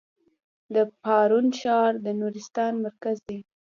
د پارون ښار د نورستان مرکز دی